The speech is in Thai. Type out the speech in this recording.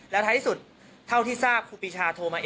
แล้วท้ายที่สุดเท่าที่ทราบครูปีชาโทรมา